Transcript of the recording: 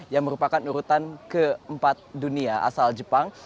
yang merupakan urutan keempat dunia asal jepang